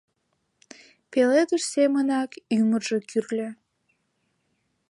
Пеледыш семынак ӱмыржӧ кӱрльӧ...